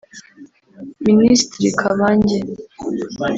Minisitiri Kabange